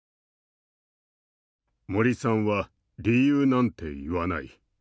「森さんは理由なんて言わない。